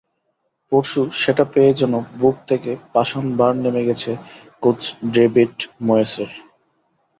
পরশু সেটা পেয়ে যেন বুক থেকে পাষাণভার নেমে গেছে কোচ ডেভিড ময়েসের।